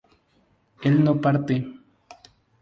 él no parte